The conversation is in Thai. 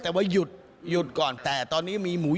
แต่ว่าหยุดหยุดก่อนแต่ตอนนี้มีหมู